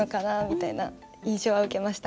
みたいな印象を受けました。